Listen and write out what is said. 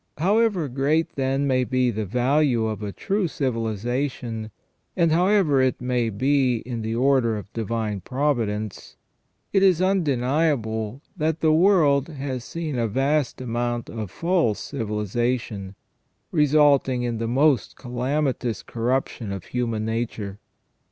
However great, then, may be the value of a true civilization, and however it may be in the order of Divine Providence, it is undeniable that the world has seen a vast amount of false civiliza tion, resulting in the most calamitous corruption of human nature.